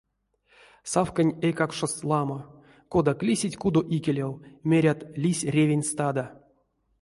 Савкань эйкакшост ламо, кодак лисить кудо икелев, мерят, лиссь ревень стада.